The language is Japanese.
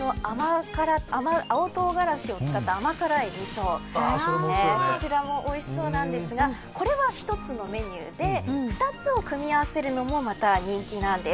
青とうがらしを使った甘辛いみそです、こちらもおいしそうなんですがこれは１つのメニューで２つを組み合わせるのもまた人気なんです。